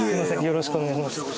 よろしくお願いします